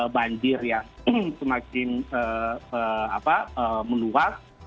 banjir yang semakin meluas